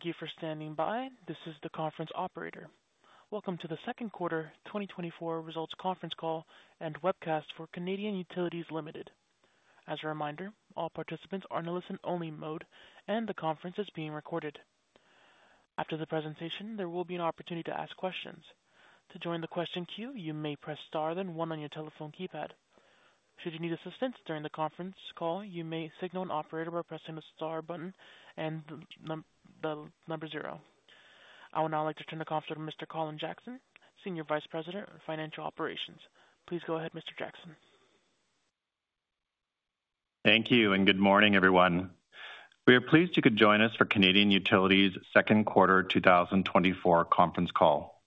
Thank you for standing by. This is the conference operator. Welcome to the second quarter 2024 results conference call and webcast for Canadian Utilities Limited. As a reminder, all participants are in a listen-only mode, and the conference is being recorded. After the presentation, there will be an opportunity to ask questions. To join the question queue, you may press star then one on your telephone keypad. Should you need assistance during the conference call, you may signal an operator by pressing the star button and the number zero. I would now like to turn the conference over to Mr. Colin Jackson, Senior Vice President of Financial Operations. Please go ahead, Mr. Jackson. Thank you, and good morning, everyone. We are pleased you could join us for Canadian Utilities' second quarter 2024 conference call.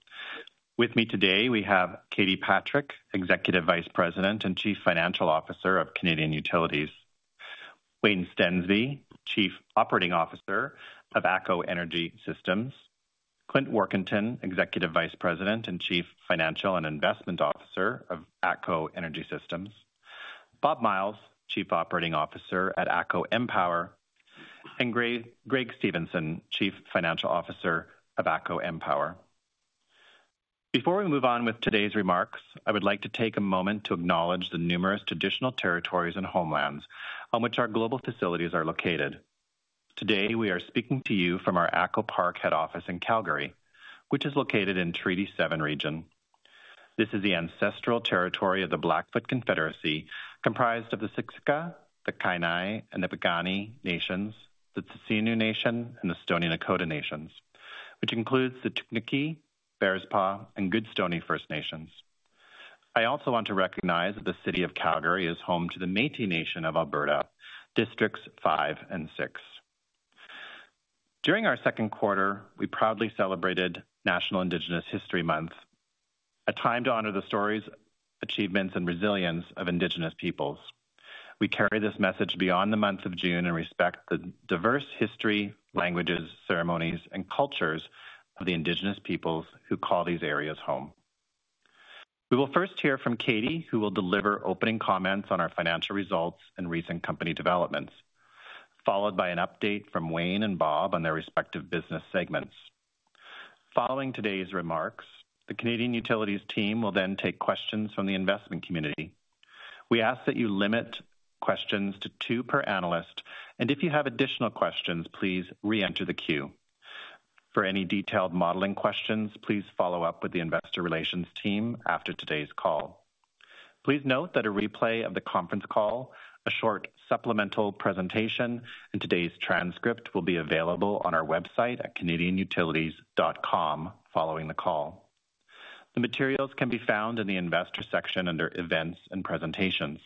With me today, we have Katie Patrick, Executive Vice President and Chief Financial Officer of Canadian Utilities; Wayne Stensby, Chief Operating Officer of ATCO Energy Systems; Clint Warkentin, Executive Vice President and Chief Financial and Investment Officer of ATCO Energy Systems; Bob Myles, Chief Operating Officer at ATCO EnPower; and Greg Stevenson, Chief Financial Officer of ATCO EnPower. Before we move on with today's remarks, I would like to take a moment to acknowledge the numerous traditional territories and homelands on which our global facilities are located. Today, we are speaking to you from our ATCO Park head office in Calgary, which is located in Treaty 7 Region. This is the ancestral territory of the Blackfoot Confederacy, comprised of the Siksika, the Kainai, and the Piikani Nations, the Tsuut'ina Nation, and the Stoney Nakoda Nations, which includes the Chiniki, Bearspaw, and Goodstoney First Nations. I also want to recognize that the city of Calgary is home to the Métis Nation of Alberta, Districts 5 and 6. During our second quarter, we proudly celebrated National Indigenous History Month, a time to honor the stories, achievements, and resilience of Indigenous peoples. We carry this message beyond the month of June and respect the diverse history, languages, ceremonies, and cultures of the Indigenous peoples who call these areas home. We will first hear from Katie, who will deliver opening comments on our financial results and recent company developments, followed by an update from Wayne and Bob on their respective business segments. Following today's remarks, the Canadian Utilities team will then take questions from the investment community. We ask that you limit questions to two per analyst, and if you have additional questions, please re-enter the queue. For any detailed modeling questions, please follow up with the investor relations team after today's call. Please note that a replay of the conference call, a short supplemental presentation, and today's transcript will be available on our website at canadianutilities.com following the call. The materials can be found in the investor section under Events and Presentations.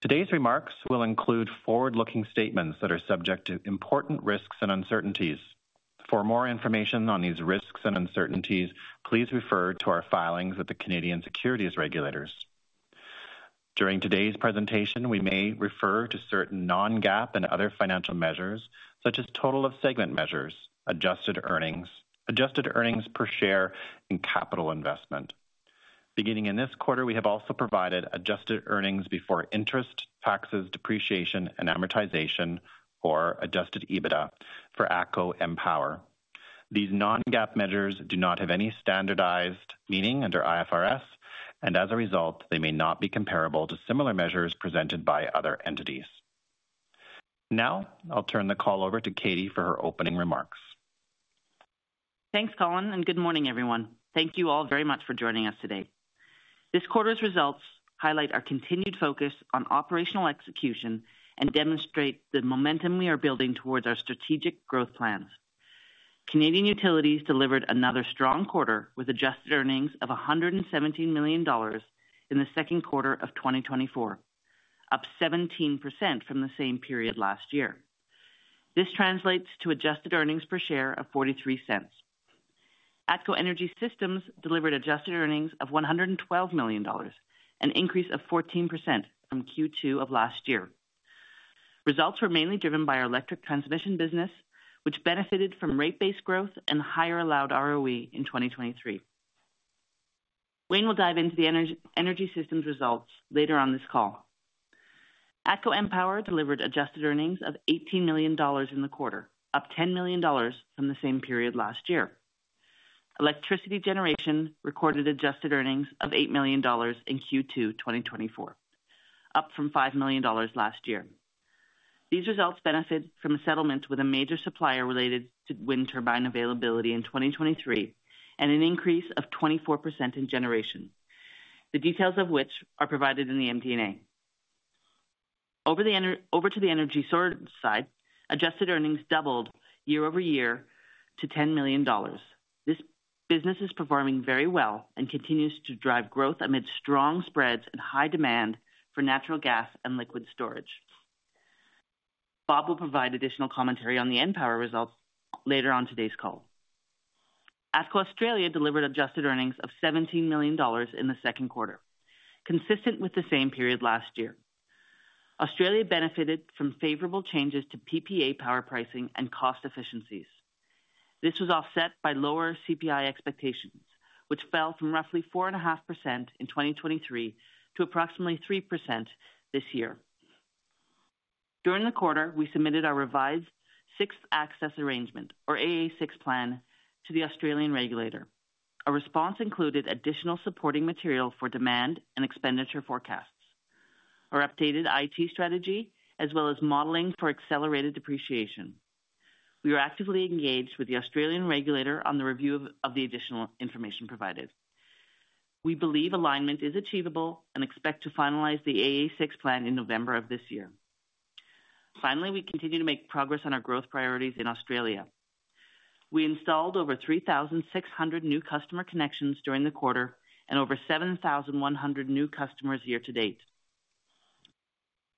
Today's remarks will include forward-looking statements that are subject to important risks and uncertainties. For more information on these risks and uncertainties, please refer to our filings with the Canadian Securities Regulators. During today's presentation, we may refer to certain non-GAAP and other financial measures, such as total of segment measures, Adjusted Earnings, Adjusted Earnings per Share, and capital investment. Beginning in this quarter, we have also provided adjusted earnings before interest, taxes, depreciation, and amortization, or Adjusted EBITDA for ATCO EnPower. These non-GAAP measures do not have any standardized meaning under IFRS, and as a result, they may not be comparable to similar measures presented by other entities. Now, I'll turn the call over to Katie for her opening remarks. Thanks, Colin, and good morning, everyone. Thank you all very much for joining us today. This quarter's results highlight our continued focus on operational execution and demonstrate the momentum we are building towards our strategic growth plans. Canadian Utilities delivered another strong quarter with adjusted earnings of 117 million dollars in the second quarter of 2024, up 17% from the same period last year. This translates to adjusted earnings per share of 0.43. ATCO Energy Systems delivered adjusted earnings of 112 million dollars, an increase of 14% from Q2 of last year. Results were mainly driven by our electric transmission business, which benefited from rate based growth and higher allowed ROE in 2023. Wayne will dive into the energy systems results later on this call. ATCO EnPower delivered adjusted earnings of 18 million dollars in the quarter, up 10 million dollars from the same period last year. Electricity generation recorded Adjusted Earnings of 8 million dollars in Q2 2024, up from 5 million dollars last year. These results benefited from a settlement with a major supplier related to wind turbine availability in 2023 and an increase of 24% in generation, the details of which are provided in the MD&A. Over to the energy side, Adjusted Earnings doubled year-over-year to 10 million dollars. This business is performing very well and continues to drive growth amid strong spreads and high demand for natural gas and liquid storage. Bob will provide additional commentary on the EnPower results later on today's call. ATCO Australia delivered Adjusted Earnings of 17 million dollars in the second quarter, consistent with the same period last year. Australia benefited from favorable changes to PPA power pricing and cost efficiencies. This was offset by lower CPI expectations, which fell from roughly 4.5% in 2023 to approximately 3% this year. During the quarter, we submitted our revised Sixth Access Arrangement, or AA6 plan, to the Australian regulator. Our response included additional supporting material for demand and expenditure forecasts, our updated IT strategy, as well as modeling for accelerated depreciation. We are actively engaged with the Australian regulator on the review of the additional information provided. We believe alignment is achievable and expect to finalize the AA6 plan in November of this year. Finally, we continue to make progress on our growth priorities in Australia. We installed over 3,600 new customer connections during the quarter and over 7,100 new customers year to date.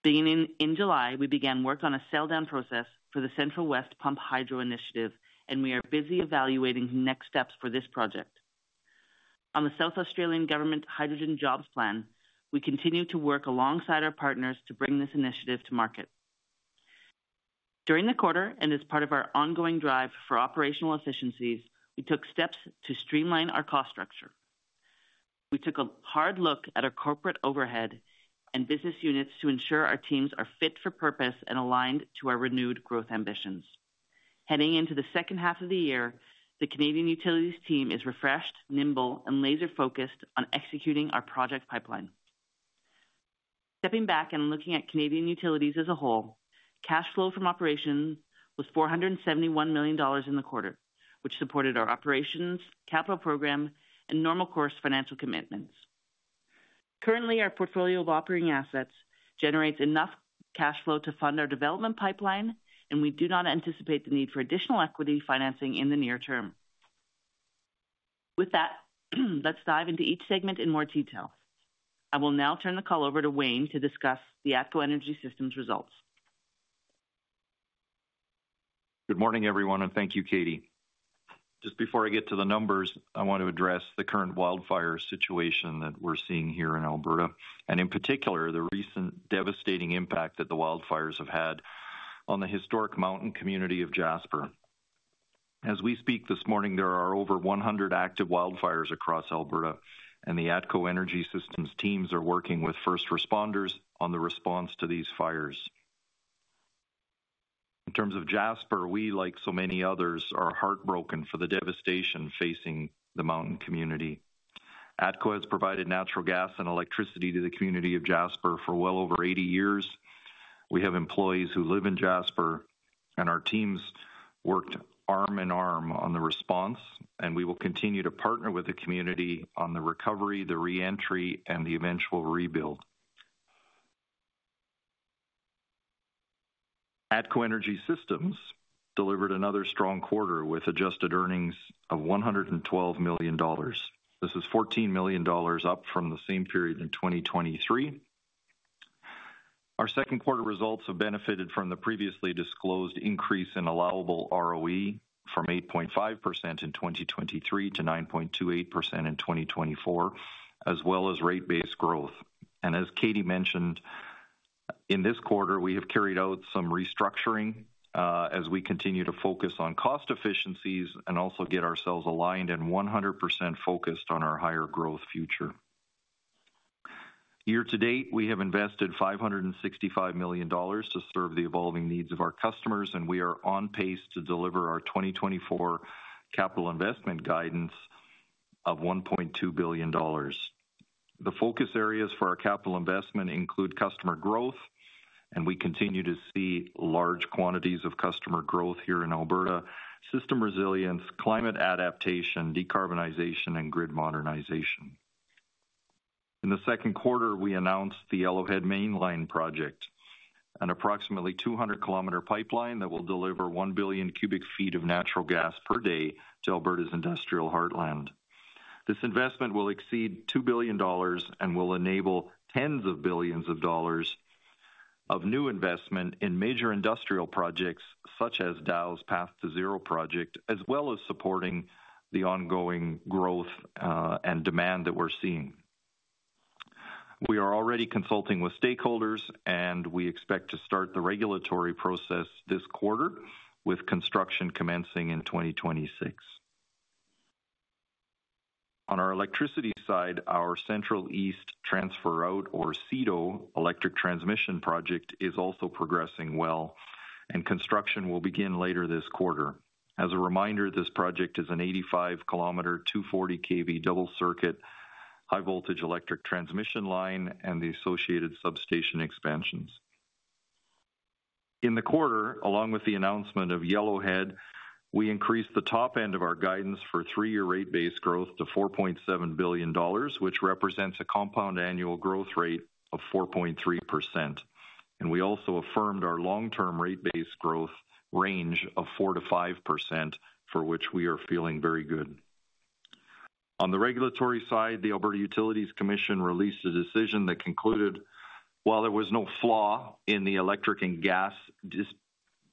Beginning in July, we began work on a sell-down process for the Central West Pumped Hydro initiative, and we are busy evaluating next steps for this project. On the South Australian Government Hydrogen Jobs Plan, we continue to work alongside our partners to bring this initiative to market. During the quarter, and as part of our ongoing drive for operational efficiencies, we took steps to streamline our cost structure. We took a hard look at our corporate overhead and business units to ensure our teams are fit for purpose and aligned to our renewed growth ambitions. Heading into the second half of the year, the Canadian Utilities team is refreshed, nimble, and laser-focused on executing our project pipeline. Stepping back and looking at Canadian Utilities as a whole, cash flow from operations was 471 million dollars in the quarter, which supported our operations, capital program, and normal course financial commitments. Currently, our portfolio of operating assets generates enough cash flow to fund our development pipeline, and we do not anticipate the need for additional equity financing in the near term. With that, let's dive into each segment in more detail. I will now turn the call over to Wayne to discuss the ATCO Energy Systems results. Good morning, everyone, and thank you, Katie. Just before I get to the numbers, I want to address the current wildfire situation that we're seeing here in Alberta, and in particular, the recent devastating impact that the wildfires have had on the historic mountain community of Jasper. As we speak this morning, there are over 100 active wildfires across Alberta, and the ATCO Energy Systems teams are working with first responders on the response to these fires. In terms of Jasper, we, like so many others, are heartbroken for the devastation facing the mountain community. ATCO has provided natural gas and electricity to the community of Jasper for well over 80 years. We have employees who live in Jasper, and our teams worked arm in arm on the response, and we will continue to partner with the community on the recovery, the reentry, and the eventual rebuild. ATCO Energy Systems delivered another strong quarter with adjusted earnings of 112 million dollars. This is 14 million dollars up from the same period in 2023. Our second quarter results have benefited from the previously disclosed increase in allowable ROE from 8.5% in 2023 to 9.28% in 2024, as well as rate base growth. As Katie mentioned, in this quarter, we have carried out some restructuring as we continue to focus on cost efficiencies and also get ourselves aligned and 100% focused on our higher growth future. Year to date, we have invested 565 million dollars to serve the evolving needs of our customers, and we are on pace to deliver our 2024 capital investment guidance of 1.2 billion dollars. The focus areas for our capital investment include customer growth, and we continue to see large quantities of customer growth here in Alberta, system resilience, climate adaptation, decarbonization, and grid modernization. In the second quarter, we announced the Yellowhead Mainline project, an approximately 200 km pipeline that will deliver 1 billion cubic feet of natural gas per day to Alberta's Industrial Heartland. This investment will exceed $2 billion and will enable tens of billions of dollars of new investment in major industrial projects such as Dow's Path2Zero, as well as supporting the ongoing growth and demand that we're seeing. We are already consulting with stakeholders, and we expect to start the regulatory process this quarter, with construction commencing in 2026. On our electricity side, our Central East Transfer-Out, or CETO, electric transmission project is also progressing well, and construction will begin later this quarter. As a reminder, this project is an 85 km, 240 kV double circuit high-voltage electric transmission line and the associated substation expansions. In the quarter, along with the announcement of Yellowhead, we increased the top end of our guidance for three-year rate-based growth to $4.7 billion, which represents a compound annual growth rate of 4.3%. We also affirmed our long-term rate-based growth range of 4%-5%, for which we are feeling very good. On the regulatory side, the Alberta Utilities Commission released a decision that concluded, while there was no flaw in the electric and gas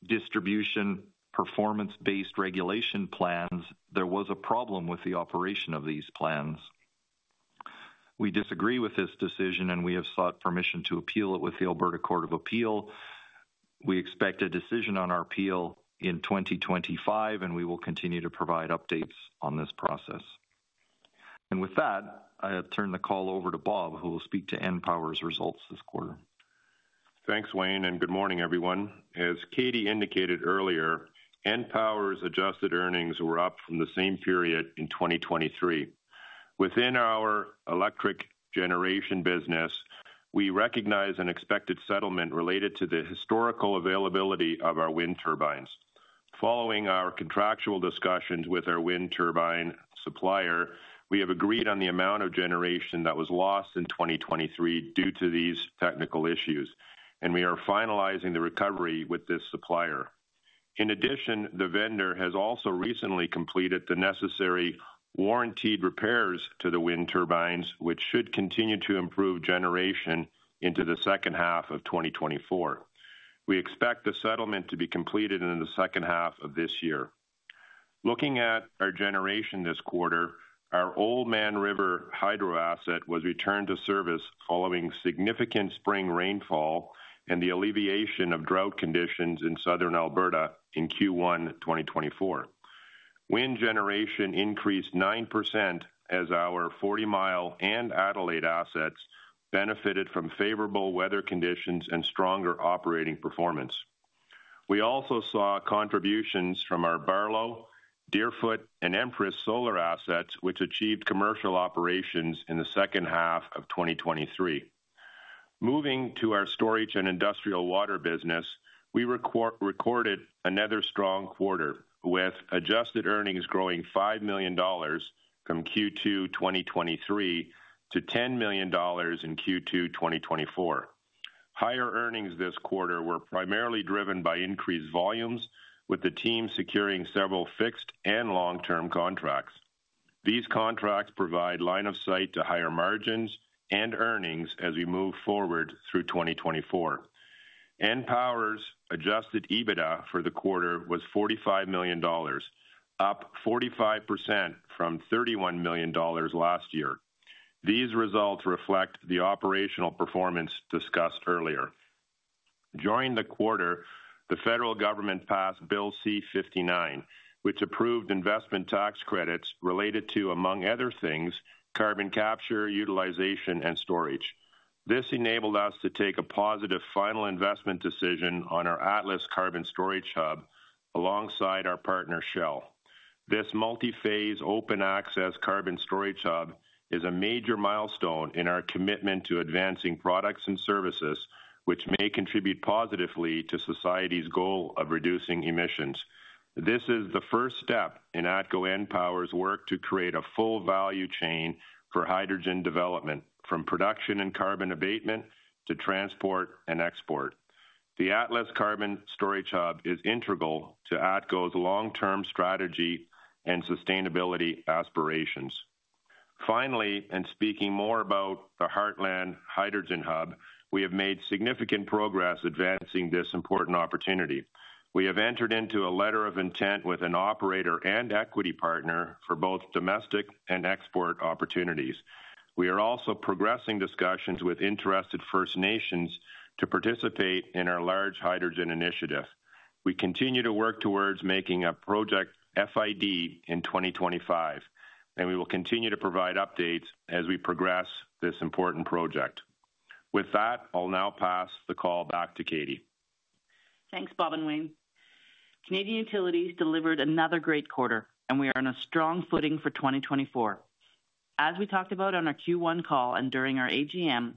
distribution performance-based regulation plans, there was a problem with the operation of these plans. We disagree with this decision, and we have sought permission to appeal it with the Alberta Court of Appeal. We expect a decision on our appeal in 2025, and we will continue to provide updates on this process. And with that, I turn the call over to Bob, who will speak to EnPower's results this quarter. Thanks, Wayne, and good morning, everyone. As Katie indicated earlier, EnPower's adjusted earnings were up from the same period in 2023. Within our electric generation business, we recognize an expected settlement related to the historical availability of our wind turbines. Following our contractual discussions with our wind turbine supplier, we have agreed on the amount of generation that was lost in 2023 due to these technical issues, and we are finalizing the recovery with this supplier. In addition, the vendor has also recently completed the necessary warrantied repairs to the wind turbines, which should continue to improve generation into the second half of 2024. We expect the settlement to be completed in the second half of this year. Looking at our generation this quarter, our Oldman River hydro asset was returned to service following significant spring rainfall and the alleviation of drought conditions in southern Alberta in Q1 2024. Wind generation increased 9% as our Forty Mile and Adelaide assets benefited from favorable weather conditions and stronger operating performance. We also saw contributions from our Barlow, Deerfoot, and Empress Solar assets, which achieved commercial operations in the second half of 2023. Moving to our storage and industrial water business, we recorded another strong quarter, with adjusted earnings growing $5 million from Q2 2023 to $10 million in Q2 2024. Higher earnings this quarter were primarily driven by increased volumes, with the team securing several fixed and long-term contracts. These contracts provide line of sight to higher margins and earnings as we move forward through 2024. EnPower's adjusted EBITDA for the quarter was $45 million, up 45% from $31 million last year. These results reflect the operational performance discussed earlier. During the quarter, the federal government passed Bill C-59, which approved investment tax credits related to, among other things, carbon capture, utilization, and storage. This enabled us to take a positive final investment decision on our Atlas Carbon Storage Hub alongside our partner Shell. This multi-phase open access carbon storage hub is a major milestone in our commitment to advancing products and services, which may contribute positively to society's goal of reducing emissions. This is the first step in ATCO EnPower's work to create a full value chain for hydrogen development, from production and carbon abatement to transport and export. The Atlas Carbon Storage Hub is integral to ATCO's long-term strategy and sustainability aspirations. Finally, and speaking more about the Heartland Hydrogen Hub, we have made significant progress advancing this important opportunity. We have entered into a letter of intent with an operator and equity partner for both domestic and export opportunities. We are also progressing discussions with interested First Nations to participate in our large hydrogen initiative. We continue to work towards making a project FID in 2025, and we will continue to provide updates as we progress this important project. With that, I'll now pass the call back to Katie. Thanks, Bob and Wayne. Canadian Utilities delivered another great quarter, and we are on a strong footing for 2024. As we talked about on our Q1 call and during our AGM,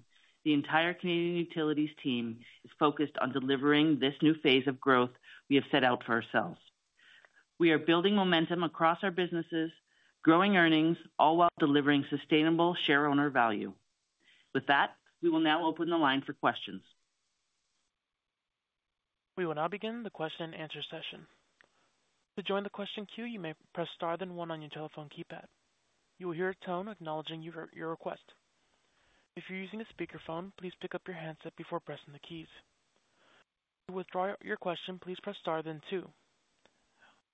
the entire Canadian Utilities team is focused on delivering this new phase of growth we have set out for ourselves. We are building momentum across our businesses, growing earnings, all while delivering sustainable shareholder value. With that, we will now open the line for questions. We will now begin the question and answer session. To join the question queue, you may press star then one on your telephone keypad. You will hear a tone acknowledging your request. If you're using a speakerphone, please pick up your handset before pressing the keys. To withdraw your question, please press star then two.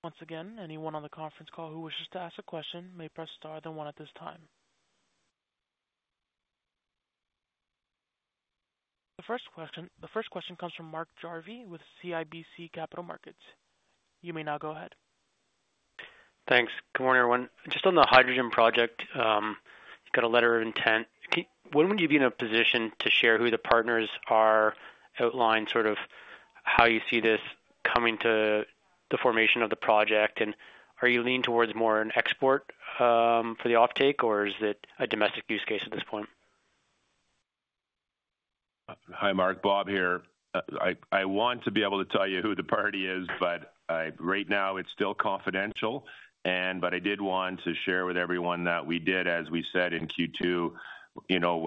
Once again, anyone on the conference call who wishes to ask a question may press star then one at this time. The first question comes from Mark Jarvey with CIBC Capital Markets. You may now go ahead. Thanks. Good morning, everyone. Just on the hydrogen project, you've got a letter of intent. When would you be in a position to share who the partners are outlined, sort of how you see this coming to the formation of the project? And are you leaning towards more an export for the offtake, or is it a domestic use case at this point? Hi, Mark. Bob here. I want to be able to tell you who the party is, but right now it's still confidential. I did want to share with everyone that we did, as we said in Q2,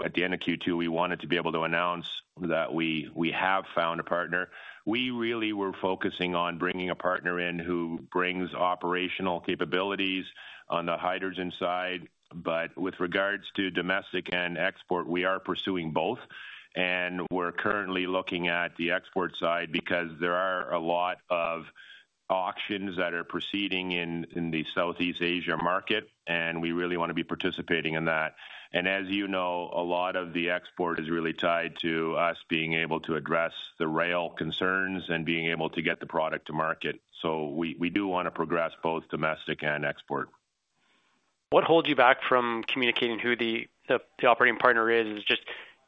at the end of Q2, we wanted to be able to announce that we have found a partner. We really were focusing on bringing a partner in who brings operational capabilities on the hydrogen side. With regards to domestic and export, we are pursuing both. We're currently looking at the export side because there are a lot of auctions that are proceeding in the Southeast Asia market, and we really want to be participating in that. As you know, a lot of the export is really tied to us being able to address the rail concerns and being able to get the product to market. We do want to progress both domestic and export. What holds you back from communicating who the operating partner is? Is it just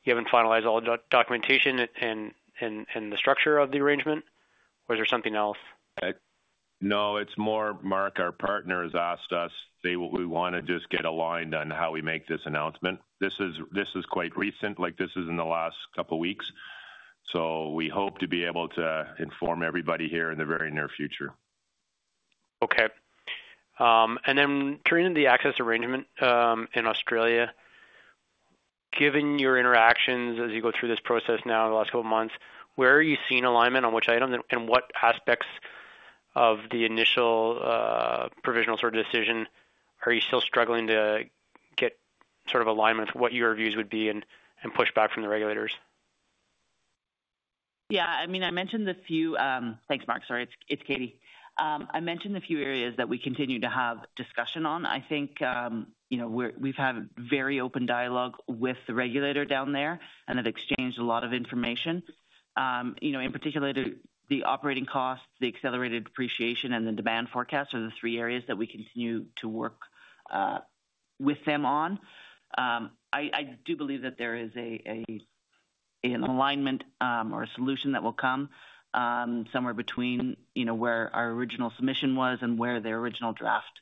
you haven't finalized all the documentation and the structure of the arrangement, or is there something else? No, it's more, Mark, our partners asked us, say, we want to just get aligned on how we make this announcement. This is quite recent. This is in the last couple of weeks. So we hope to be able to inform everybody here in the very near future. Okay. And then turning to the access arrangement in Australia, given your interactions as you go through this process now in the last couple of months, where are you seeing alignment on which items and what aspects of the initial provisional sort of decision? Are you still struggling to get sort of alignment with what your views would be and push back from the regulators? Yeah. I mean, I mentioned a few things, Mark. Sorry, it's Katie. I mentioned a few areas that we continue to have discussion on. I think we've had a very open dialogue with the regulator down there, and I've exchanged a lot of information. In particular, the operating costs, the accelerated depreciation, and the demand forecast are the three areas that we continue to work with them on. I do believe that there is an alignment or a solution that will come somewhere between where our original submission was and where their original draft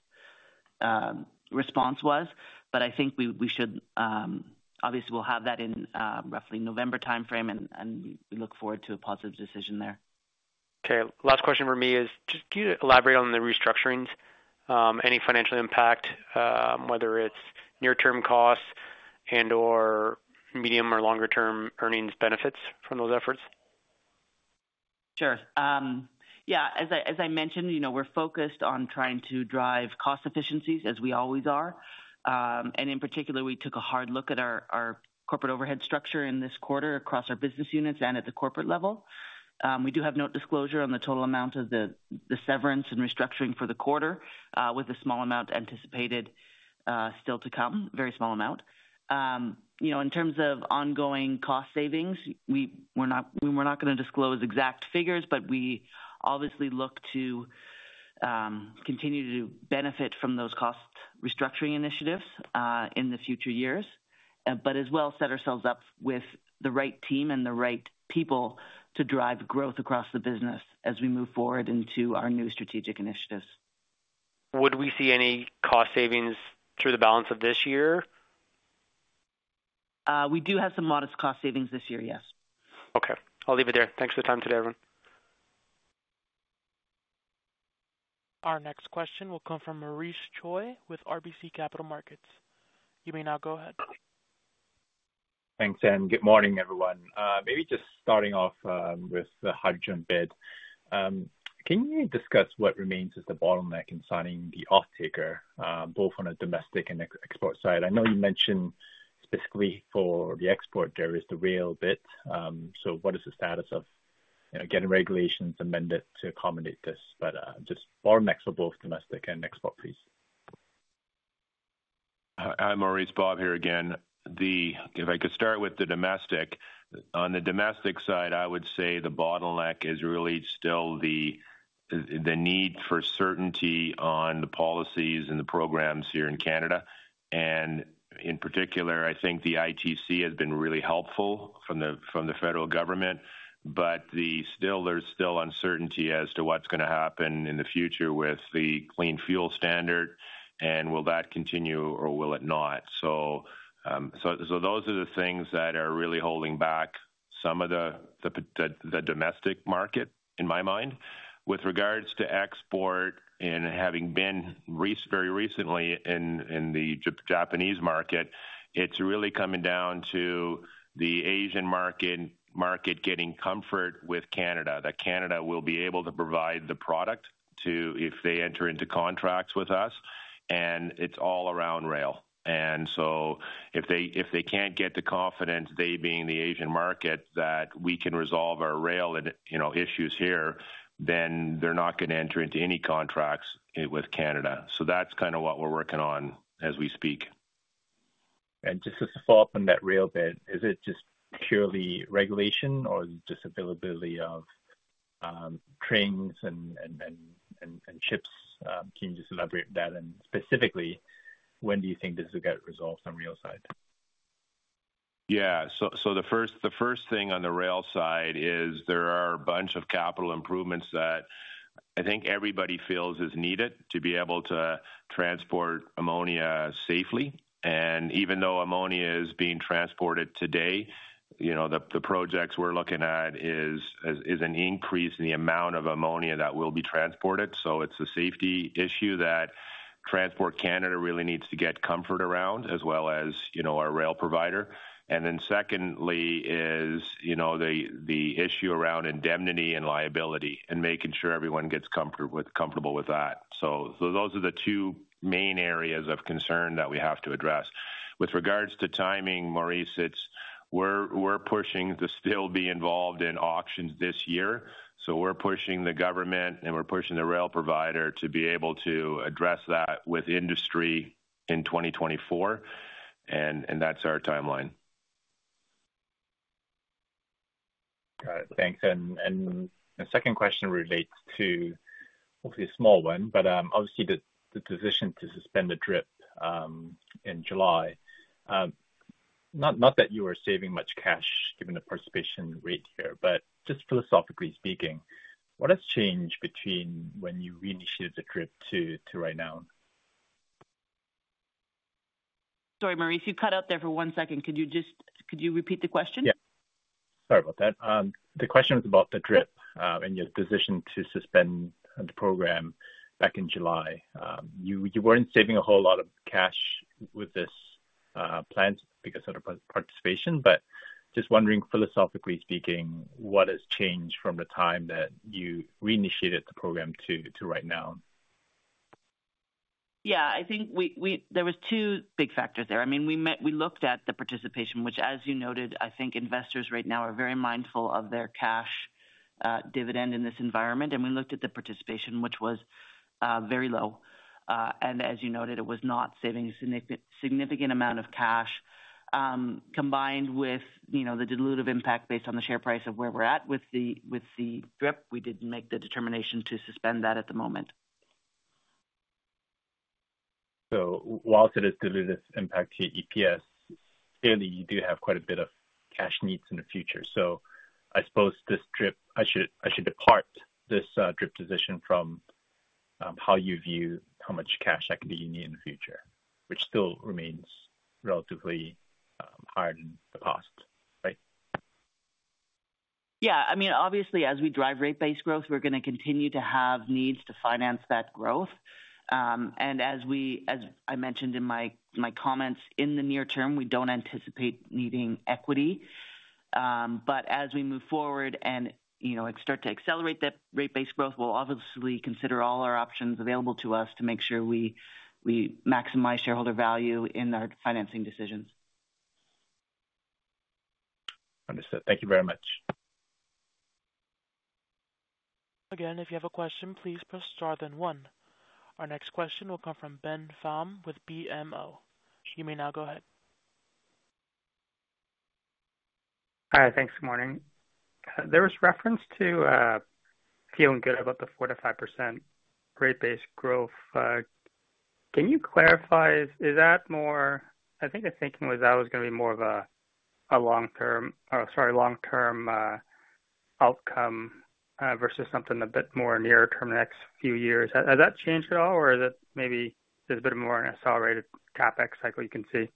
response was. But I think we should obviously, we'll have that in roughly November timeframe, and we look forward to a positive decision there. Okay. Last question for me is, just can you elaborate on the restructurings? Any financial impact, whether it's near-term costs and/or medium or longer-term earnings benefits from those efforts? Sure. Yeah. As I mentioned, we're focused on trying to drive cost efficiencies, as we always are. In particular, we took a hard look at our corporate overhead structure in this quarter across our business units and at the corporate level. We do have no disclosure on the total amount of the severance and restructuring for the quarter, with a small amount anticipated still to come, very small amount. In terms of ongoing cost savings, we're not going to disclose exact figures, but we obviously look to continue to benefit from those cost restructuring initiatives in the future years, but as well set ourselves up with the right team and the right people to drive growth across the business as we move forward into our new strategic initiatives. Would we see any cost savings through the balance of this year? We do have some modest cost savings this year, yes. Okay. I'll leave it there. Thanks for the time today, everyone. Our next question will come from Maurice Choy with RBC Capital Markets. You may now go ahead. Thanks, Anne. Good morning, everyone. Maybe just starting off with the hydrogen bid. Can you discuss what remains as the bottleneck in signing the offtaker, both on a domestic and export side? I know you mentioned specifically for the export, there is the rail bit. So what is the status of getting regulations amended to accommodate this? But just bottlenecks for both domestic and export, please. Hi, Maurice. Bob here again. If I could start with the domestic. On the domestic side, I would say the bottleneck is really still the need for certainty on the policies and the programs here in Canada. And in particular, I think the ITC has been really helpful from the federal government, but there's still uncertainty as to what's going to happen in the future with the Clean Fuel Standard. And will that continue, or will it not? So those are the things that are really holding back some of the domestic market, in my mind. With regards to export, and having been very recently in the Japanese market, it's really coming down to the Asian market getting comfort with Canada, that Canada will be able to provide the product if they enter into contracts with us. And it's all around rail. And so if they can't get the confidence, they being the Asian market, that we can resolve our rail issues here, then they're not going to enter into any contracts with Canada. So that's kind of what we're working on as we speak. Just as a follow-up on that rail bit, is it just purely regulation, or is it just availability of trains and ships? Can you just elaborate that? Specifically, when do you think this will get resolved on the rail side? Yeah. So the first thing on the rail side is there are a bunch of capital improvements that I think everybody feels is needed to be able to transport ammonia safely. And even though ammonia is being transported today, the projects we're looking at is an increase in the amount of ammonia that will be transported. So it's a safety issue that Transport Canada really needs to get comfort around, as well as our rail provider. And then secondly is the issue around indemnity and liability and making sure everyone gets comfortable with that. So those are the two main areas of concern that we have to address. With regards to timing, Maurice, we're pushing to still be involved in auctions this year. So we're pushing the government and we're pushing the rail provider to be able to address that with industry in 2024. And that's our timeline. Got it. Thanks. The second question relates to, obviously, a small one, but obviously, the decision to suspend the DRIP in July. Not that you are saving much cash given the participation rate here, but just philosophically speaking, what has changed between when you reinitiated the DRIP to right now? Sorry, Maurice. You cut out there for one second. Could you repeat the question? Yeah. Sorry about that. The question was about the DRIP and your decision to suspend the program back in July. You weren't saving a whole lot of cash with this plan because of the participation. But just wondering, philosophically speaking, what has changed from the time that you reinitiated the program to right now? Yeah. I think there were two big factors there. I mean, we looked at the participation, which, as you noted, I think investors right now are very mindful of their cash dividend in this environment. We looked at the participation, which was very low. As you noted, it was not saving a significant amount of cash. Combined with the dilutive impact based on the share price of where we're at with the DRIP, we didn't make the determination to suspend that at the moment. So while it is dilutive impact to EPS, clearly, you do have quite a bit of cash needs in the future. So I suppose this DRIP, I should separate this DRIP decision from how you view how much cash equity you need in the future, which still remains relatively higher than the past, right? Yeah. I mean, obviously, as we drive rate-based growth, we're going to continue to have needs to finance that growth. And as I mentioned in my comments, in the near term, we don't anticipate needing equity. But as we move forward and start to accelerate that rate-based growth, we'll obviously consider all our options available to us to make sure we maximize shareholder value in our financing decisions. Understood. Thank you very much. Again, if you have a question, please press star then one. Our next question will come from Ben Pham with BMO. You may now go ahead. Hi. Thanks. Morning. There was reference to feeling good about the 4%-5% rate-based growth. Can you clarify? I think the thinking was that was going to be more of a long-term or, sorry, long-term outcome versus something a bit more near-term in the next few years. Has that changed at all, or is it maybe there's a bit more in an accelerated CapEx cycle you can see?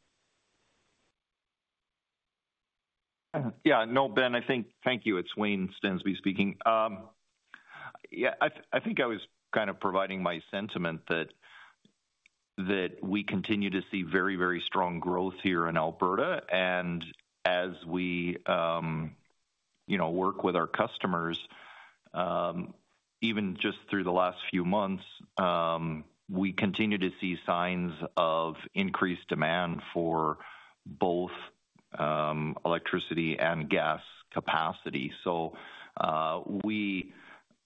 Yeah. No, Ben, I think thank you. It's Wayne Stensby speaking. Yeah. I think I was kind of providing my sentiment that we continue to see very, very strong growth here in Alberta. And as we work with our customers, even just through the last few months, we continue to see signs of increased demand for both electricity and gas capacity. So we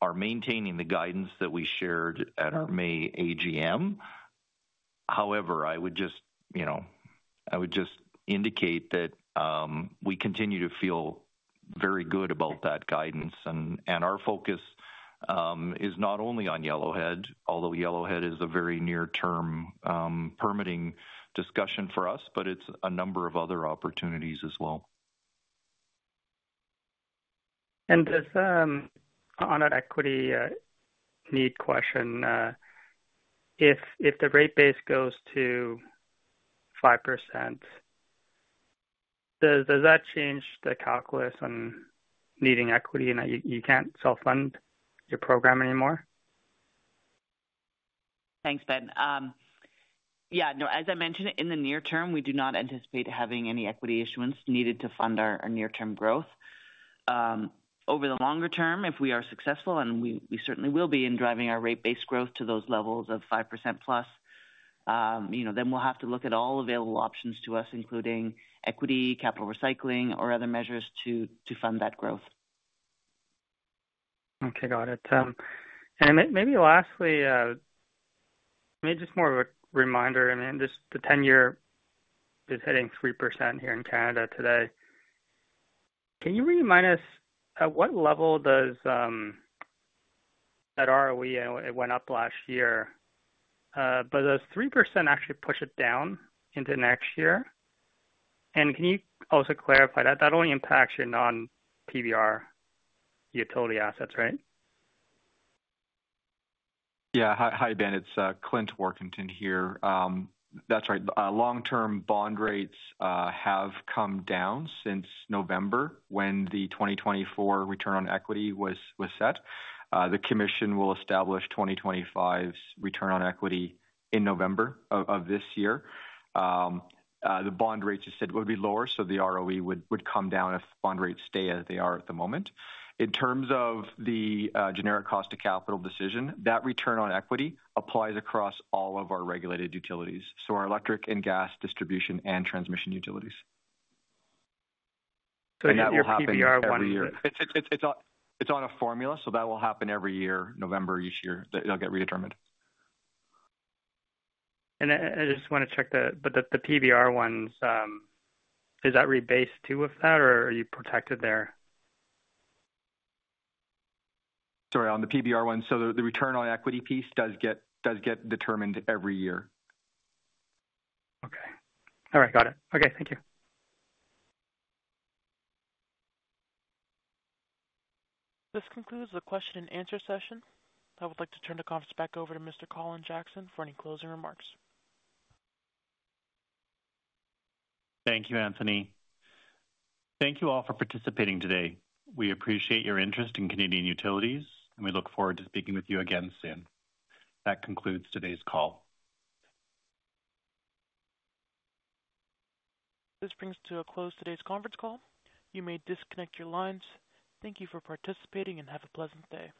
are maintaining the guidance that we shared at our May AGM. However, I would just indicate that we continue to feel very good about that guidance. And our focus is not only on Yellowhead, although Yellowhead is a very near-term permitting discussion for us, but it's a number of other opportunities as well. And just on an equity need question, if the rate base goes to 5%, does that change the calculus on needing equity and that you can't self-fund your program anymore? Thanks, Ben. Yeah. No, as I mentioned, in the near term, we do not anticipate having any equity issuance needed to fund our near-term growth. Over the longer term, if we are successful, and we certainly will be in driving our rate base growth to those levels of 5%+, then we'll have to look at all available options to us, including equity, capital recycling, or other measures to fund that growth. Okay. Got it. And maybe lastly, maybe just more of a reminder, I mean, just the 10-year is hitting 3% here in Canada today. Can you remind us at what level does that ROE, it went up last year, but those 3% actually push it down into next year? And can you also clarify that? That only impacts your non-PBR utility assets, right? Yeah. Hi, Ben. It's Clint Warkentin here. That's right. Long-term bond rates have come down since November when the 2024 return on equity was set. The commission will establish 2025's return on equity in November of this year. The bond rates are said will be lower, so the ROE would come down if bond rates stay as they are at the moment. In terms of the generic cost of capital decision, that return on equity applies across all of our regulated utilities, so our electric and gas distribution and transmission utilities. And that will happen every year. It's on a formula, so that will happen every year, November each year. It'll get redetermined. I just want to check that. But the PBR ones, is that rate-based too with that, or are you protected there? Sorry, on the PBR ones, so the return on equity piece does get determined every year. Okay. All right. Got it. Okay. Thank you. This concludes the question and answer session. I would like to turn the conference back over to Mr. Colin Jackson for any closing remarks. Thank you, Anthony. Thank you all for participating today. We appreciate your interest in Canadian Utilities, and we look forward to speaking with you again soon. That concludes today's call. This brings to a close today's conference call. You may disconnect your lines. Thank you for participating and have a pleasant day.